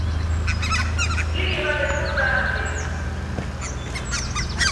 Ngiliiva besa utaambe.